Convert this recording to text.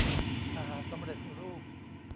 อาหารสำเร็จรูป